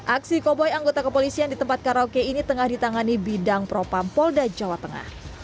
aksi koboy anggota kepolisian di tempat karaoke ini tengah ditangani bidang propampolda jawa tengah